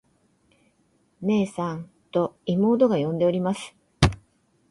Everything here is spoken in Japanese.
「ねえさん。」と妹が呼んでおります。